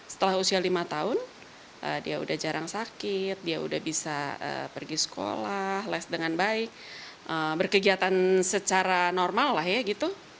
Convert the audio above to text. setelah usia lima tahun dia udah jarang sakit dia udah bisa pergi sekolah les dengan baik berkegiatan secara normal lah ya gitu